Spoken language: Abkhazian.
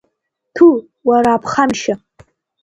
Ҭәу, уара аԥхамшьа!